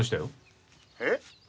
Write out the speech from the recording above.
「えっ？